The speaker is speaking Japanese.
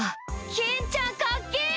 ・ケンちゃんかっけぇ！